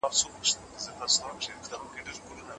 هڅه وکړئ او بريالي سئ.